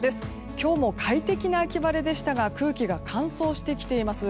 今日も快適な秋晴れでしたが空気が乾燥してきています。